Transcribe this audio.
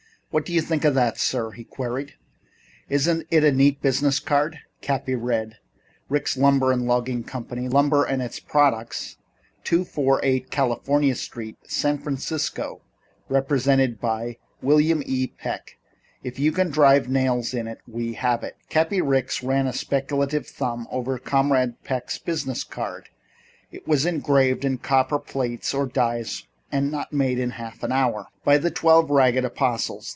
"What do you think of that, sir?" he queried. "Isn't it a neat business card?" Cappy read: ++| RICKS LUMBER & LOGGING COMPANY || Lumber and its products || 248 California St. || San Francisco. |||| Represented by || William E. Peck || If you can drive nails in it we have it! |++ Cappy Ricks ran a speculative thumb over Comrade Peck's business card. It was engraved. And copper plates or steel dies are not made in half an hour! "By the Twelve Ragged Apostles!"